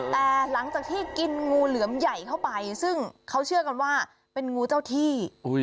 แต่หลังจากที่กินงูเหลือมใหญ่เข้าไปซึ่งเขาเชื่อกันว่าเป็นงูเจ้าที่